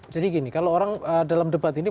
jadi gini kalau orang dalam debat ini